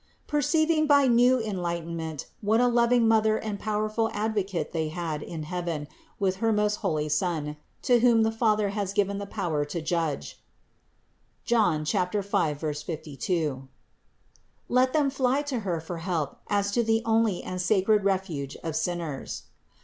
Perceiving by new enlightenment what a lov ing Mother and powerful Advocate they had in heaven with her most holy Son, to whom the Father has given the power to judge (John 5, 52), let them fly to Her for help as to the only and sacred refuge of sinners.